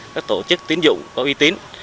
các tổ chức tiến dụng có uy tín